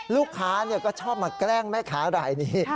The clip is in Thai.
ลูกค้าก็ชอบมาแกล้งแม่ค้ารายนี้